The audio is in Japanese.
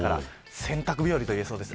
洗濯日和と言えそうです。